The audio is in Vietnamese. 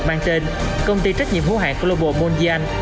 mang tên công ty trách nhiệm hữu hạng global monjaan